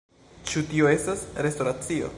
Ĉu tio estas restoracio?